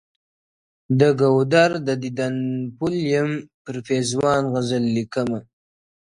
د ګودر د دیدن پل یم، پر پېزوان غزل لیکمه؛